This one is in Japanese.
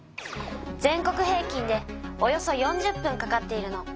全国平きんでおよそ４０分かかっているの。